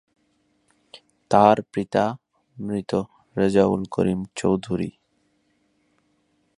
তার পিতা মৃত রেজাউল করিম চৌধুরী।